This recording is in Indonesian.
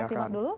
kita simak dulu